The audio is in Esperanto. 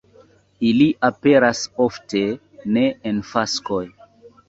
Ili aperas ofte ne en faskoj.